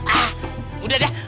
ah udah dah